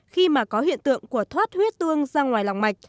khi mà có hiện tượng của thoát huyết tương ra ngoài lòng mạch